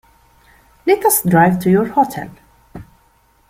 Let us drive to your hotel.